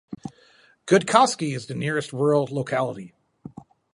Gudkovsky is the nearest rural locality.